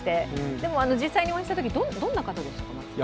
でも、実際にお会いしたとき、どんな方でしたか？